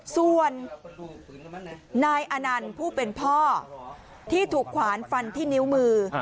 ส่วนนายอนันต์ผู้เป็นพ่อที่ถูกขวานฟันที่นิ้วมือ